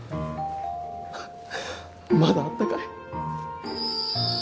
まだあったかい。